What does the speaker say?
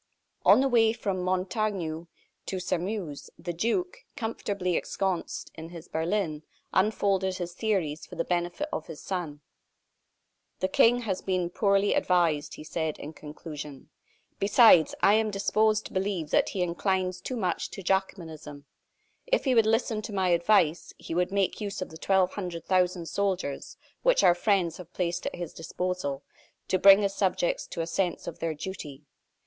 On the way from Montaignac to Sairmeuse, the duke, comfortably ensconced in his berlin, unfolded his theories for the benefit of his son. "The King has been poorly advised," he said, in conclusion. "Besides, I am disposed to believe that he inclines too much to Jacobinism. If he would listen to my advice, he would make use of the twelve hundred thousand soldiers which our friends have placed at his disposal, to bring his subjects to a sense of their duty.